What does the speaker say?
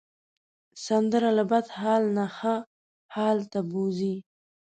سندره له بد حال نه ښه حال ته بوځي